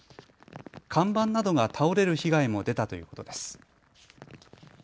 看板などが倒れる被害も出たということです。